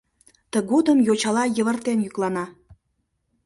Тыгодым йочала йывыртен йӱклана.